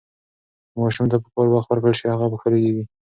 که ماشوم ته پکار وخت ورکړل شي، هغه ښه لوییږي.